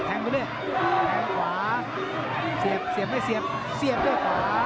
ไปเรื่อยแทงขวาเสียบเสียบไม่เสียบเสียบด้วยขวา